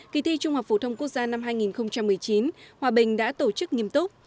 kỳ thi trung học phổ thông quốc gia năm hai nghìn một mươi chín hòa bình đã tổ chức nghiêm túc